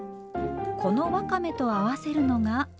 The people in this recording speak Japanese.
このわかめと合わせるのが。